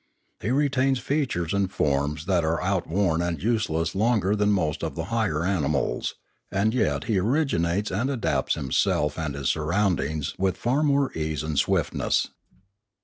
He retains features and forms that are outworn and useless longer than most of the higher animals; and yet he originates and adapts himself and his surroundings with far more ease and swiftness.